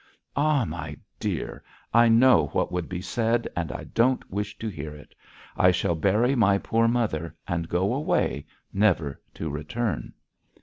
Ah, my dear, I know what would be said, and I don't wish to hear it. I shall bury my poor mother, and go away, never to return.'